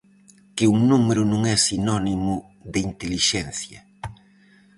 Que un número non é sinónimo de intelixencia.